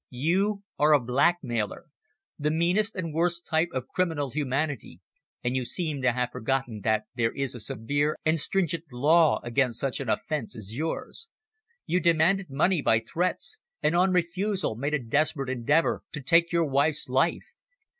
You are a blackmailer the meanest and worst type of criminal humanity and you seem to have forgotten that there is a severe and stringent law against such an offence as yours. You demanded money by threats, and on refusal made a desperate endeavour to take your wife's life.